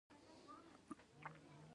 دا د موټر جوړونې د کارخانې له پانګوال کم دی